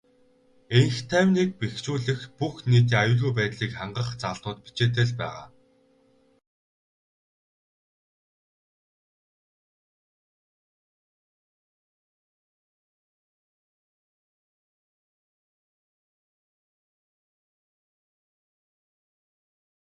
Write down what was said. Энх тайвныг бэхжүүлэх, бүх нийтийн аюулгүй байдлыг хангах заалтууд бичээтэй л байгаа.